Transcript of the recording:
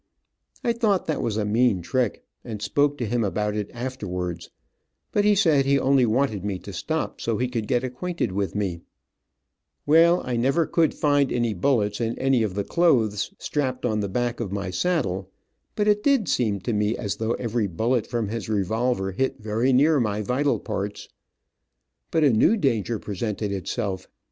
I thought that was a mean trick, and spoke to him about it afterwards, but he said he only wanted me to stop so he could get acquainted with me. [Illustration: On went the two night riders 039] Well, I never could find any bullets in any of the clothes strapped on the back of my saddle, but it did seem to me as though every bullet from his revolver hit very near my vital parts. But a new danger presented itself.